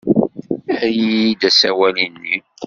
Err-iyi-d asawal-nni.